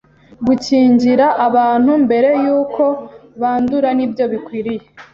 Gukingira abantu mbere y’ uko bandura nibyo bikwiriye